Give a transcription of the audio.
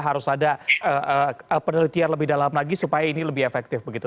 harus ada penelitian lebih dalam lagi supaya ini lebih efektif begitu